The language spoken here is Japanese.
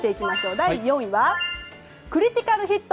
第４位はクリティカルヒット。